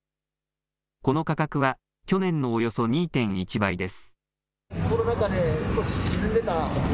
この価格は去年のおよそ２．１倍です。